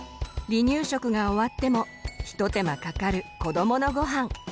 離乳食が終わっても一手間かかる子どものごはん。